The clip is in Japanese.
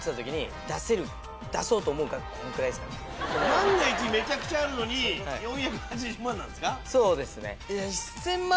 万が一めちゃくちゃあるのに４８０万なんですか？